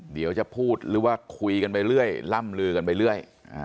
เดี๋ยวจะพูดหรือว่าคุยกันไปเรื่อยล่ำลือกันไปเรื่อย